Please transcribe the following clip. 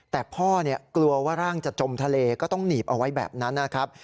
แต่พ่อกลัวว่าร่างจะจมทะเลก็ต้องหนีบเอาไว้แบบนั้นนะครับ